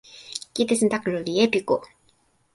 kijetesantakalu li epiku.